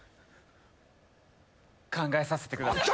考えさせてください。